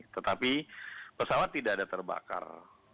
tetapi pesawat tidak ada terbakar